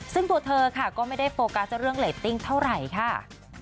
ซึ่งตัวเธอค่ะก็ไม่ได้โฟกัสเรื่องเรตติ้งเท่าไหร่ค่ะ